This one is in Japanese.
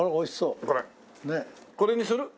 これにする？